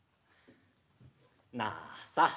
なあさあ。